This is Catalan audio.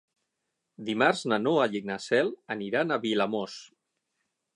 Dimarts na Noa i na Cel aniran a Vilamòs.